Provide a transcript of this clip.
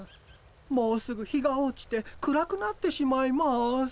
もうすぐ日が落ちて暗くなってしまいます。